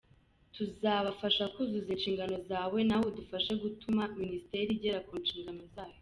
Tuzabafasha kuzuza inshingano zawe nawe udufashe gutuma Minisiteri igera ku nshingano zayo.